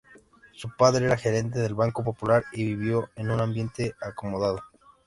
Su padre era gerente del Banco Popular, y vivió en un ambiente acomodado.